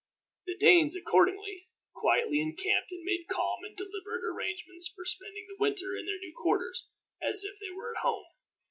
The Danes, accordingly, quietly encamped, and made calm and deliberate arrangements for spending the winter in their new quarters, as if they were at home.